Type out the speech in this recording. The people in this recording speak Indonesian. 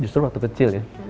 justru waktu kecil ya